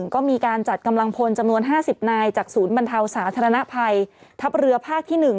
ก็มีการจัดกำลังพลจำนวน๕๐นายจากศูนย์บรรเทาสาธารณภัยทัพเรือภาคที่๑